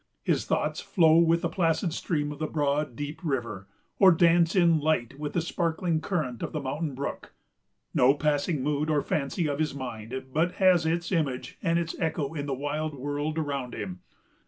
His thoughts flow with the placid stream of the broad, deep river, or dance in light with the sparkling current of the mountain brook. No passing mood or fancy of his mind but has its image and its echo in the wild world around him.